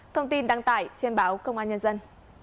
thông tin đăng tải trên báo công an nhân dân